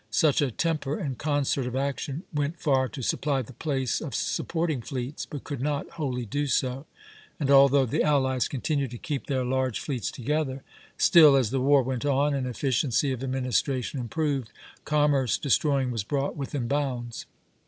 Such a temper and concert of action went far to supply the place of supporting fleets, but could not wholly do so; and although the allies continued to keep their large fleets together, still, as the war went on and efficiency of administration improved, commerce destroying was brought within bounds.